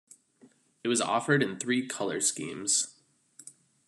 It was offered in three colour schemes.